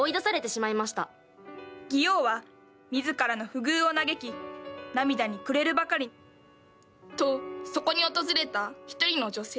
王は自らの不遇を嘆き涙に暮れるばかり。とそこに訪れた一人の女性。